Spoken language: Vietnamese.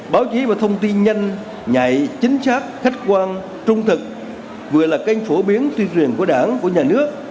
báo chí vừa thông tin nhanh nhạy chính xác khách quan trung thực vừa là kênh phổ biến tuyên truyền của đảng của nhà nước